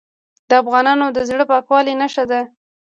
د افغانانو د زړه پاکوالي نښه ده.